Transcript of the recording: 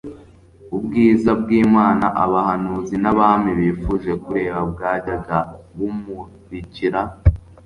Ubwiza ¬bw'Imana, abahanuzi n'abami bifuje kureba bwajyaga bumurikira